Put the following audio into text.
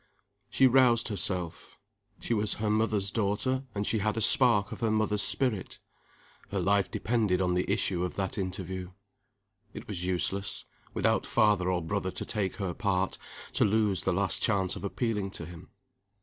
She roused herself. She was her mother's daughter; and she had a spark of her mother's spirit. Her life depended on the issue of that interview. It was useless without father or brother to take her part to lose the last chance of appealing to him.